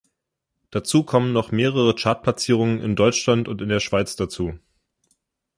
Dazu kommen noch mehrere Chartplatzierungen in Deutschland und in der Schweiz dazu.